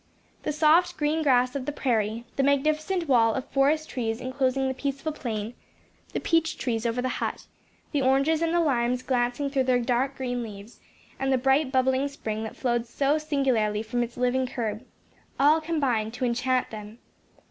The soft green grass of the prairie the magnificent wall of forest trees enclosing the peaceful plain the peach trees over the hut the oranges and the limes glancing through their dark green leaves and the bright bubbling spring that flowed so singularly from its living curb all combined to enchant them.